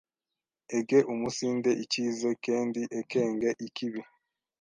egeumunsinde icyize, kendi ekenge ikibi;